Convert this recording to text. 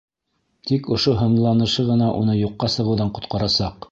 Тик ошо һынланышы ғына уны юҡҡа сығыуҙан ҡотҡарасаҡ.